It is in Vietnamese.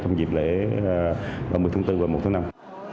trong dịp lễ ba mươi tháng bốn và một tháng năm